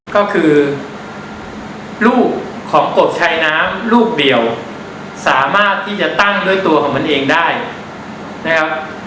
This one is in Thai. ก็คือลูกของกบชายน้ำลูกเดียวสามารถที่จะตั้งด้วยตัวของมันเองได้นะครับ